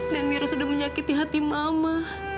dan mira sudah menyakiti hati mama